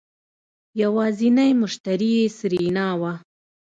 يوازينی مشتري يې سېرېنا وه.